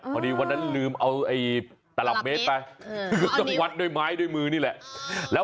พอดีวันนั้นหลืมเอาตะหลับเมษวัดด้วยม้ายด้วยมือนี่ะแหละ